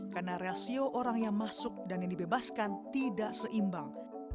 karena rasio orang yang masuk dan yang dibebaskan tidak seimbang